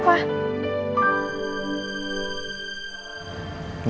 tangan kamu kenapa